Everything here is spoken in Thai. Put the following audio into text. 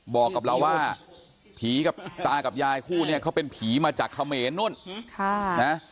บอกกับเราว่าผีกับตากับยายคู่เนี่ยเขาเป็นผีมาจากเขมรนู่น